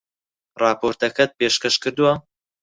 ڕاپۆرتەکەت پێشکەش کردووە؟